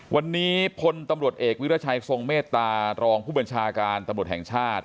วันนี้พลตำรวจเอกวิรัชัยทรงเมตตารองผู้บัญชาการตำรวจแห่งชาติ